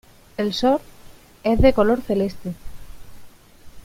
El Short es de color celeste.